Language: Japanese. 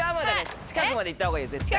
近くまでいった方がいいよ絶対。